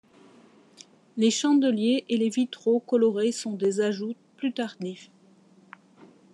Les chandeliers et les vitraux colorés sont des ajouts plus tardifs.